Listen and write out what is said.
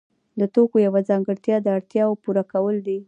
د توکو یوه ځانګړتیا د اړتیاوو پوره کول دي.